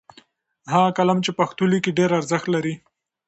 هغه قلم چې په پښتو لیکي ډېر ارزښت لري.